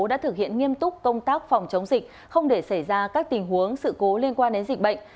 đã thực hiện nghiêm túc công tác phòng chống dịch không để xảy ra các tình huống sự cố liên quan đến dịch bệnh